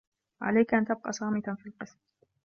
عليك أن تبقى صامتا في القسم.